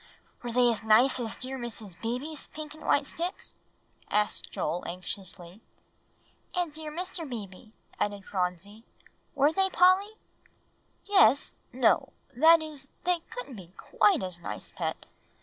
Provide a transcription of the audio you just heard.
"Were they as nice as dear Mrs. Beebe's pink and white sticks?" asked Joel anxiously. "And dear Mr. Beebe's," added Phronsie; "were they, Polly?" "Yes no; that is, they couldn't be quite as nice, Pet.